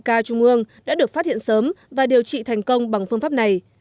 ca trung ương đã được phát hiện sớm và điều trị thành công bằng phương pháp này